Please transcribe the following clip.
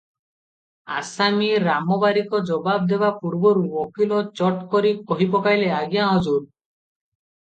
ଆସାମୀ ରାମବାରିକ ଜବାବ ଦେବାପୂର୍ବରୁ ଉକୀଲ ଚଟ୍ କରି କହି ପକାଇଲେ, "ଆଜ୍ଞା ହଜୁର!